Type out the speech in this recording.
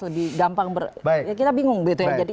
lebih gampang kita bingung jadi